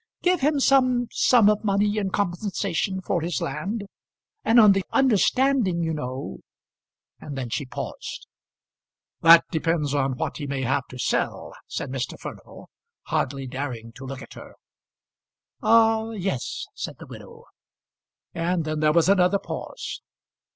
Give him some sum of money in compensation for his land; and on the understanding, you know ," and then she paused. "That depends on what he may have to sell," said Mr. Furnival, hardly daring to look at her. "Ah; yes," said the widow. And then there was another pause.